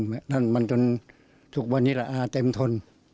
ห้ามตั้งแต่รุ่นพ่อรุ่นมันจนทุกวันนี้ละอาเต็มทน